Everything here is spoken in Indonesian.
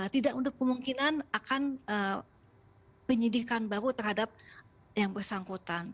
tidak untuk kemungkinan akan penyidikan baru terhadap yang bersangkutan